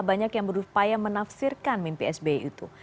banyak yang berupaya menafsirkan mimpi sbi itu